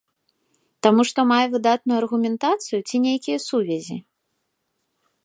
Таму што мае выдатную аргументацыю ці нейкія сувязі?